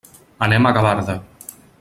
Anem a Gavarda.